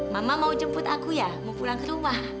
mama mau jemput aku ya mau pulang ke rumah